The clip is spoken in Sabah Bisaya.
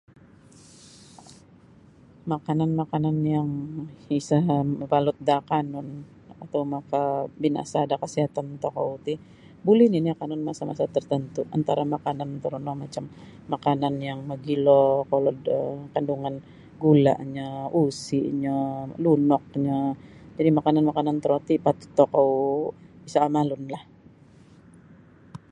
Makanan-makanan yang iisaa mabalut da akanun atau makabinasa da kasihatan tokou ti buli nini' akanun masa-masa tartentu' antara makanan torono macam makanan yang mogilo kolod kandungan gula'nyo usi'nyo lunoknyo. Jadi' makanan-makanan toroti patut tokou isa' amalunlah.